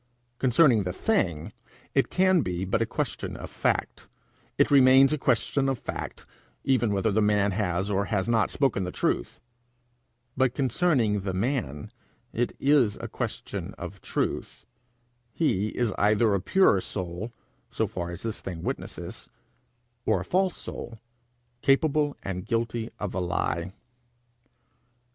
Concerning the thing it can be but a question of fact; it remains a question of fact even whether the man has or has not spoken the truth; but concerning the man it is a question of truth: he is either a pure soul, so far as this thing witnesses, or a false soul, capable and guilty of a lie.